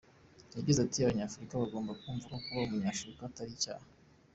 Yagize ati “ Abanyafurika bagomba kumva ko kuba umunyafurika atari icyaha.